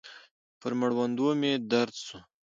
پر مړوندو مې درد سو.